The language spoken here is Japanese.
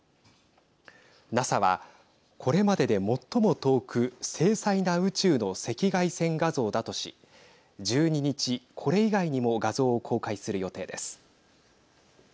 ＮＡＳＡは、これまでで最も遠く精細な宇宙の赤外線画像だとし１２日、これ以外にも画像を公開する予定です。